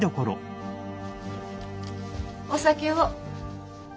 お酒を。